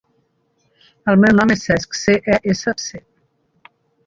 El meu nom és Cesc: ce, e, essa, ce.